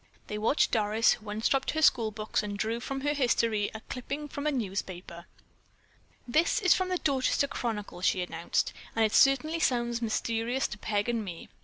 They watched Doris, who unstrapped her school books and drew from her history a clipping from a newspaper. "This is from the Dorchester Chronicle," she announced, "and it certainly sounds mysterious to Peg and me."